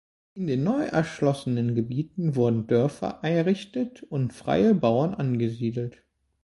In den neu erschlossenen Gebieten wurden Dörfer errichtet und freie Bauern angesiedelt.